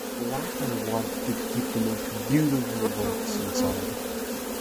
The latter wanted to keep the most beautiful works inside.